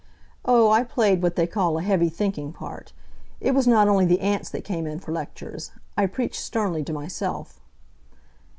Oh, I played what they call a heavy thinking part. It was not only the ants that came in for lectures. I preached sternly to myself.